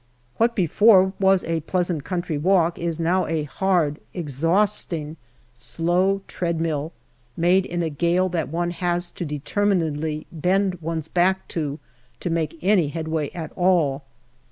What before was a pleasant country walk is now a hard, exhausting " slow treadmill " made in a gale that one has to determinedly bend one's back to, to make any headway at all.